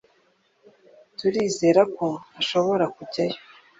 turizera ko ashobora kujyayo